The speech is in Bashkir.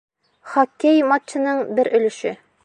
Хоккей матчының бер өлөшө.